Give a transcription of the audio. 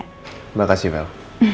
terima kasih vel